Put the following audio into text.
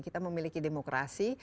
kita memiliki demokrasi